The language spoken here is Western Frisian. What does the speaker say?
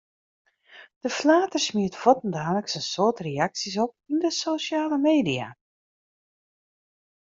De flater smiet fuortendaliks in soad reaksjes op yn de sosjale media.